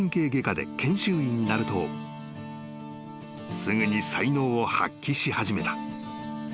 ［すぐに才能を発揮し始めた］